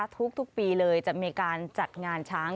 ทุกปีเลยจะมีการจัดงานช้าง